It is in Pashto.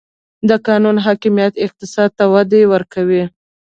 د قانون حاکمیت اقتصاد ته وده ورکوي؟